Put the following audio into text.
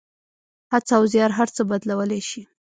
هڅه او زیار هر څه بدلولی شي.